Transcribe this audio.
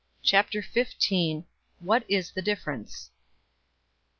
CHAPTER XV. WHAT IS THE DIFFERENCE?